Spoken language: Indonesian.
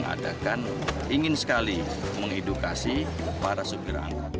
adakan ingin sekali mengedukasi para sopir angkot